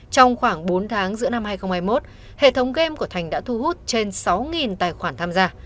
trong khoảng bốn tháng giữa năm hai nghìn hai mươi một hệ thống game của thành đã thu hút trên sáu tài khoản tham gia